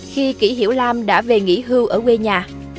khi kỷ hiểu lam đã về nghỉ hưu ở quê nhà